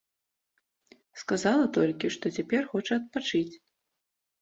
Сказала толькі, што цяпер хоча адпачыць.